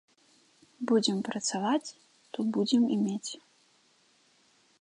Будзем працаваць, то будзем і мець.